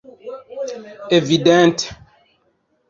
Evidente!